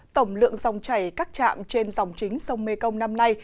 tổng lượng dòng chảy các trạm trên dòng chính sông mê công năm nay